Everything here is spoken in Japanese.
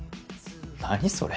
何それ？